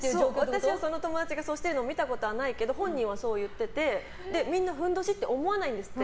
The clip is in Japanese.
私はその友達がそうしてるのを見たことはないけど本人はそう言っててみんなふんどしって思わないんですって。